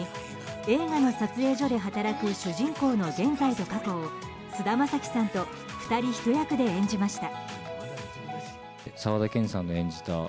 映画の撮影所で働く主人公の現在と過去を菅田将暉さんと二人一役で演じました。